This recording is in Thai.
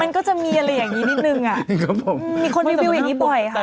มันก็จะมีอะไรอย่างนี้นิดนึงอ่ะผมมีคนรีวิวอย่างงี้บ่อยค่ะ